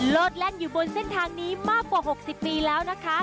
โลดแล่นอยู่บนเส้นทางนี้มากกว่า๖๐ปีแล้วนะคะ